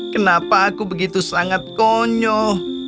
kenapa aku begitu sangat konyol